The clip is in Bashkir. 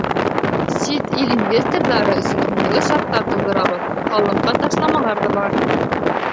Сит ил инвесторҙары өсөн уңайлы шарттар тыуҙырабыҙ, һалымға ташламалар бар.